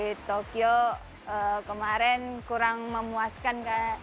di tokyo kemarin kurang memuaskan kak